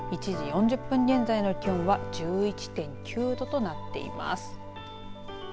１時４０分現在の気温は１１．９度となっています。